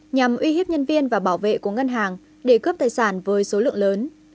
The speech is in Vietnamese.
nhằm uy hiếp nhân viên và bảo vệ của ngân hàng để cướp tài sản với số lượng lớn